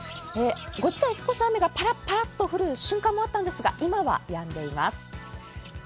５時台、少しパラパラと雨が降る瞬間があったんですけれども今はやんでいます。